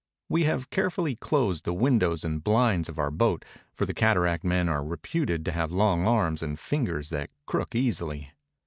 We have carefully closed the windows and bhnds of our boat, for the cataract men are reputed to have long arms and fingers that crook easily.